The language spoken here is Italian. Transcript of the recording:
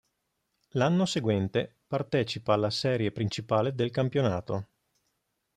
L'anno seguente partecipa alla serie principale del campionato.